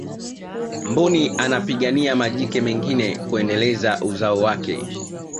mbuni anapigania majike mengine kuendeleza uzao wake